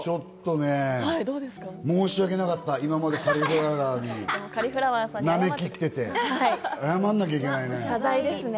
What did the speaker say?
申しわけなかった今までカリフラワーをナメきってて、あやまんなきゃいけないね。